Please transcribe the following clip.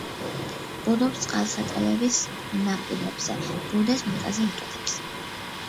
ბუდობს წყალსატევების ნაპირებზე, ბუდეს მიწაზე იკეთებს.